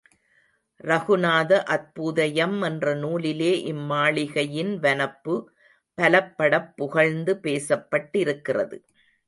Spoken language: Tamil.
ரகுநாத அத்பூதயம் என்ற நூலிலே இம்மாளிகையின் வனப்பு பலப்படப் புகழ்ந்து பேசப்பட்டிருக்கிறது.